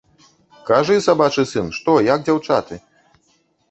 Кажы, сабачы сын, што, як дзяўчаты?!.